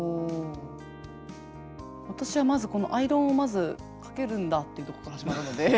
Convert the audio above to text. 私はまずアイロンをかけるんだっていうところから始まるので。